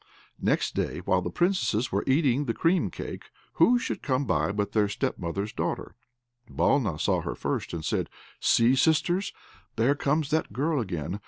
Next day, while the Princesses were eating the cream cake, who should come by but their step mother's daughter. Balna saw her first, and said, "See, sisters, there comes that girl again.